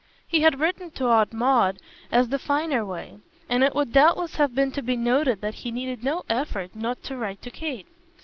He had written to Aunt Maud as the finer way; and it would doubtless have been to be noted that he needed no effort not to write to Kate.